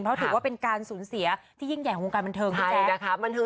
เพราะถือว่าเป็นการสูญเสียที่ยิ่งใหญ่ของวงการบันเทิงจริงนะคะ